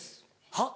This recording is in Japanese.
はっ？